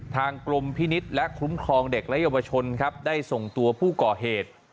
ทางกรมพินิษฐ์และคุ้มครองเด็กและเยาวชนครับได้ส่งตัวผู้ก่อเหตุ